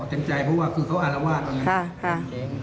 เต็มใจเพราะว่าเขาอรวาสอันนี้แข็งเลยนะครับค่ะ